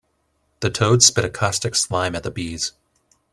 The toad spit a caustic slime at the bees.